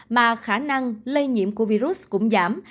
mà khả năng lây nhiễm của virus cũng giảm